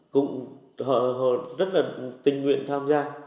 cũng rất là tình nguyện tham gia